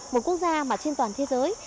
một quốc gia mà trên toàn thế giới